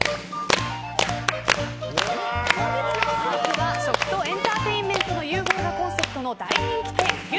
本日のお肉は食とエンターテインメントの融合がコンセプトの大人気店牛